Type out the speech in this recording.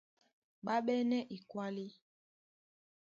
Ɓá ɓɛ́nɛ́ ekwálí,